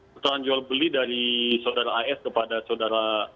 putaran jual beli dari saudara as kepada saudara